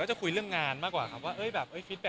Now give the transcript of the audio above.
ก็ไปเรื่อยครับผม